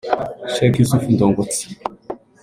Sheikh Yousouf Ndungutse